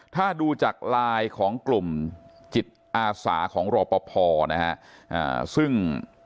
ถ้าดูจากไลน์ของกลุ่มจิตอาสาของรอปภนะฮะซึ่ง